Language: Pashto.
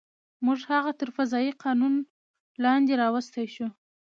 موږ هغه تر قضایي قانون لاندې راوستی شو.